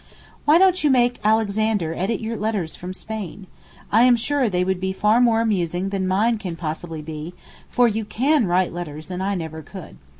Why don't you make Alexander edit your letters from Spain? I am sure they would be far more amusing than mine can possibly be—for you can write letters and I never could.